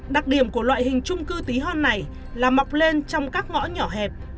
đặc điểm của loại hình trung cư tí hon này là mọc lên trong các ngõ nhỏ hẹp